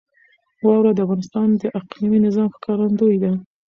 واوره د افغانستان د اقلیمي نظام ښکارندوی ده.